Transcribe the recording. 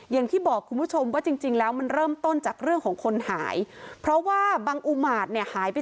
อย่างที่บอกคุณผู้ชมจริงแล้วมันเริ่มต้นจากเรื่องของคนหาย